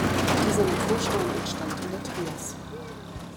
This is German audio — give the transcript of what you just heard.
Dieser Naturstein entstand in der Trias.